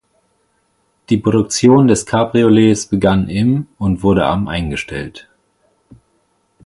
Die Produktion des Cabriolets begann im und wurde am eingestellt.